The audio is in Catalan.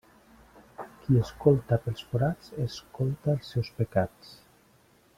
Qui escolta pels forats escolta els seus pecats.